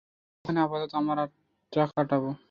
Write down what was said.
ওখানে আপাতত আমরা রাতটা কাটাব!